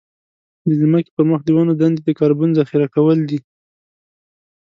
د ځمکې پر مخ د ونو دندې د کاربن ذخيره کول دي.